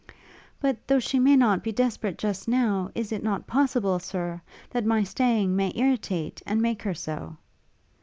'But, though she may not be desperate just now, is it not possible, Sir, that my staying may irritate, and make her so?'